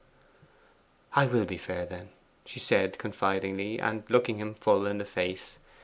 'I will be fair, then,' she said confidingly, and looking him full in the face.